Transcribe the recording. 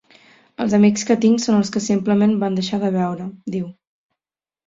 "Els amics que tinc són els que simplement van deixar de veure" diu.